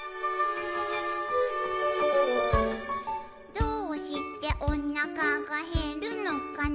「どうしておなかがへるのかな」